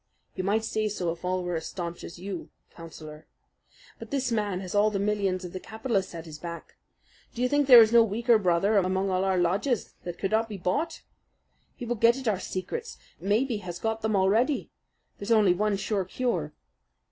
"You might say so if all were as stanch as you, Councillor. But this man has all the millions of the capitalists at his back. Do you think there is no weaker brother among all our lodges that could not be bought? He will get at our secrets maybe has got them already. There's only one sure cure."